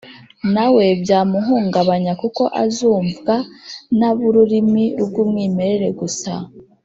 na we byamuhungabanya kuko azumvwa n’ab’ururimi rw’umwimerere gusa.